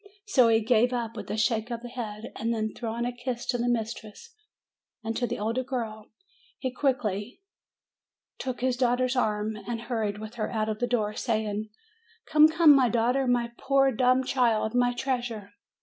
So he gave up with a shake of the head; and then, throwing a kiss to the mistress and to the older girl, he quickly took his daughter's arm again, and hurried with her out of the door, saying: "Come, come my daughter, my poor dumb child, my treasure